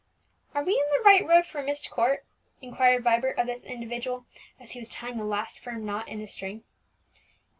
"Are we in the right road for Myst Court?" inquired Vibert of this individual, as he was tying the last firm knot in the string.